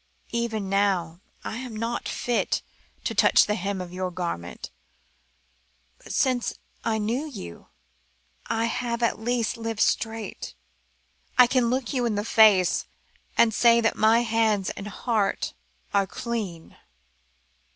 Even now, I am not fit to touch the hem of your gown, but since I knew you, I have at least lived straight. I can look you in the face, and say that my hands and heart are clean."